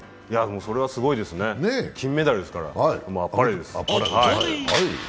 それはすごいですよね、金メダルですから、あっぱれです。